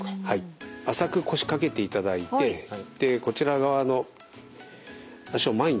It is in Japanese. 浅く腰掛けていただいてこちら側の脚を前に出してですね